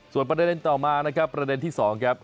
ส่วนประเด็นต่อมานะครับประเด็นที่๒ครับ